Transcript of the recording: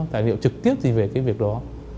tài liệu trực tiếp gì về việc đó